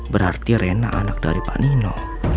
berarti rena anak dari pak nino